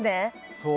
そう。